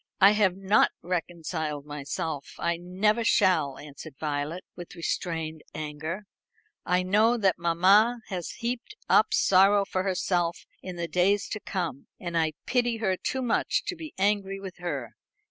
"I have not reconciled myself; I never shall," answered Violet, with restrained anger. "I know that mamma has heaped up sorrow for herself in the days to come, and I pity her too much to be angry with her.